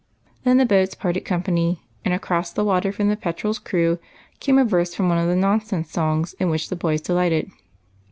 Then the boats parted company, and across the water from the "Petrel's" crew came a verse from one of the Nonsense Songs in which the boys de lighted.